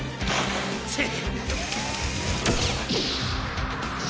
チッ。